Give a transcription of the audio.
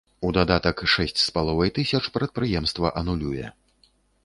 У дадатак шэсць з паловай тысяч прадпрыемства анулюе.